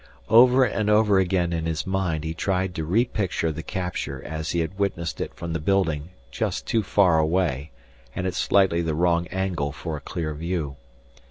Over and over again in his mind he tried to re picture the capture as he had witnessed it from the building just too far away and at slightly the wrong angle for a clear view.